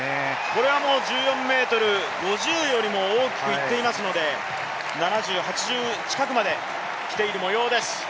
これは１４ｍ５０よりも大きくいっていますので、７０、８０近くまで来ている模様です。